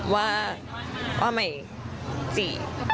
ว่าว่าไม่จีบ